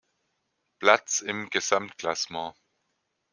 Platz im Gesamtklassement.